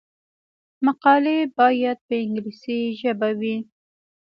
مقالې باید په انګلیسي ژبه وي.